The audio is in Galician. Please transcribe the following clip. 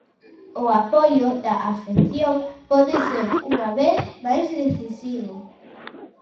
O apoio da afección pode ser unha vez máis decisivo.